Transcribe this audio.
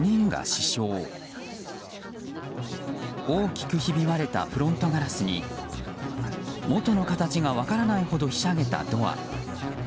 大きくひび割れたフロントガラスに元の形が分からないほどひしゃげたドア。